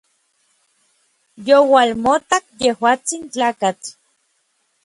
Youalmotak yejuatsin tlakatl.